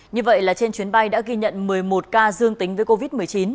như vậy là trên chuyến bay đã ghi nhận một mươi một ca dương tính với covid một mươi chín